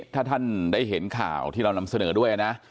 ถ้าท่านได้เห็นข่าวที่เรานำเสนอด้วยนะ